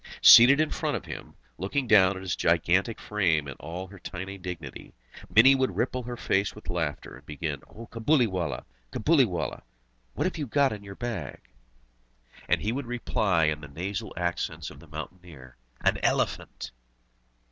Seated in front of him, looking down on his gigantic frame in all her tiny dignity, Mini would ripple her face with laughter, and begin: "O Cabuliwallah, Cabuliwallah, what have you got in your bag?" And he would reply, in the nasal accents of the mountaineer: "An elephant!"